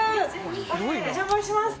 お邪魔します。